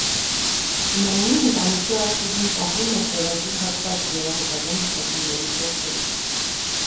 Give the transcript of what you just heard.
Թումանյանի ընտանիքի արխիվում պահվում է սևագիր հատված նրա հետագա մշակումների փորձերից։